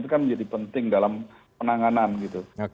itu kan menjadi penting dalam penanganan gitu